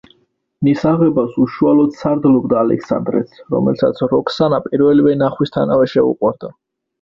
მის აღებას უშუალოდ სარდლობდა ალექსანდრეც, რომელსაც როქსანა პირველივე ნახვისთანავე შეუყვარდა.